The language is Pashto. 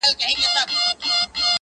ستا انګور انګور کتو مست و مدهوش کړم,